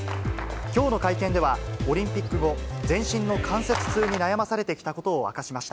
きょうの会見では、オリンピック後、全身の関節痛に悩まされてきたことを明かしました。